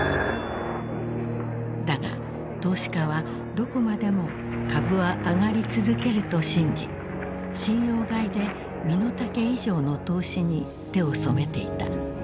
☎だが投資家はどこまでも株は上がり続けると信じ信用買いで身の丈以上の投資に手を染めていた。